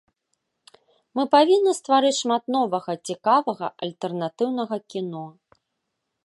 Мы павінны стварыць шмат новага, цікавага, альтэрнатыўнага кіно.